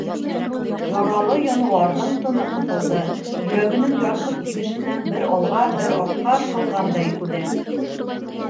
Яралы януарҙың тыны ҡыҫылды, йөрәгенең ярһып тибешенән бер алға, бер артҡа шылғандай үҙе.